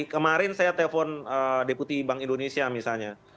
kemarin saya telepon deputi bank indonesia misalnya